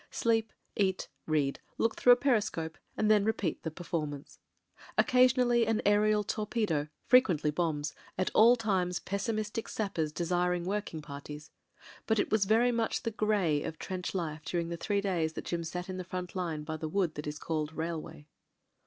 Sleep, eat, read, look through a periscope and then repeat the per 274 MEN, WOMEN AND GUNS f ormance. Occasionally an aerial torpedo, frequently bombs, at all times pessimistic sappers desiring work ing parties. But it was very much the "grey" of trench life during the three days that Jim sat in the front line by the wood that is called "Railway."